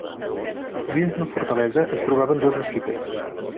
Dins de la fortalesa es trobaven dues mesquites.